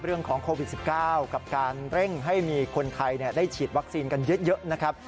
เรื่องของโควิด๑๙กับการเร่งให้มีคนไทยได้ฉีดวัคซีนกันเยอะนะครับ